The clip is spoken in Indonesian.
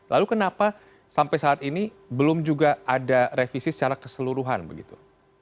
lalu kenapa sampai saat ini belum juga ada revisi secara keseluruhan begitu